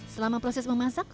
selama proses memasak